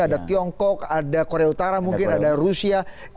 ada tiongkok ada korea utara mungkin ada rusia